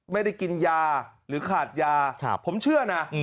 ไม่ได้กินยาหรือขาดยาผมเชื่อนะ